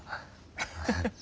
ハハハッ。